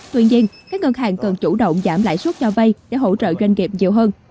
tuy nhiên các ngân hàng cần chủ động giảm lãi suất cho vay để hỗ trợ doanh nghiệp nhiều hơn